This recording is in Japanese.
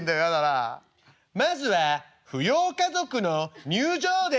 「まずは扶養家族の入場です」。